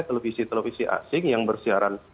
televisi televisi asing yang bersiaran